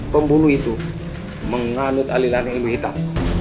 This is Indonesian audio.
pembunuh itu menganut aliran ilmu hitam